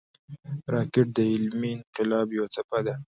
راکټ د علمي انقلاب یوه څپه ده